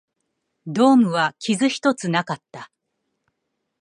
ドームは傷一つなかった